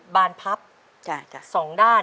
บานประตูนี้มีผ้าม่านอะไรยังไง